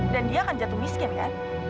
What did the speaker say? dan dia akan jatuh miskin kan